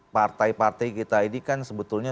partai partai kita ini kan sebetulnya